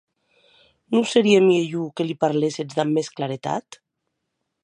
Non serie mielhor que li parléssetz damb mès claretat?